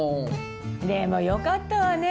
でもよかったわね。